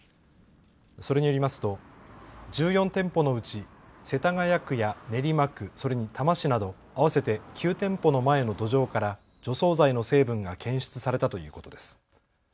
それによりますと１４店舗のうち世田谷区や練馬区、それに多摩市など合わせて９店舗の前の土壌から除草剤の成分が検出されたということです。